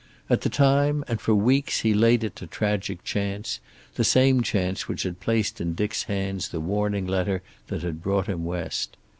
At the time, and for weeks, he laid it to tragic chance, the same chance which had placed in Dick's hand the warning letter that had brought him West.